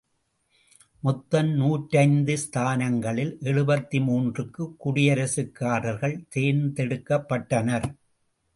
மொத்தம் நூற்றைந்து ஸ்தானங்களில் எழுபத்திமூன்றுக்குக் குடியரசுக்காரர்கள் தேர்ந்தெடுக்கப்பட்டனர்.